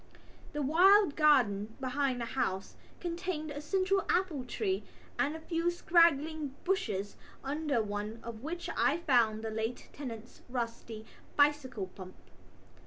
The wild garden behind the house contained a central apple tree and a few straggling bushes under one of which I found the late tenant's rusty bicycle pump.